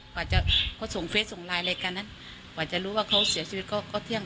กว่าจะเขาส่งเฟสส่งไลน์รายการนั้นกว่าจะรู้ว่าเขาเสียชีวิตก็เที่ยง